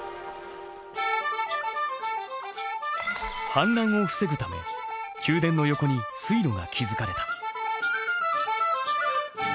氾濫を防ぐため宮殿の横に水路が築かれた。